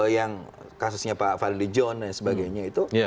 yang kasusnya pak fadli john dan sebagainya itu